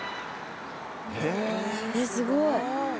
えっすごい。